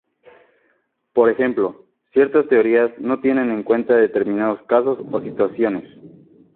Por ejemplo, ciertas teorías no tienen en cuenta determinados casos o situaciones.